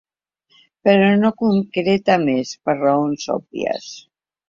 Però no concreta més, per raons òbvies.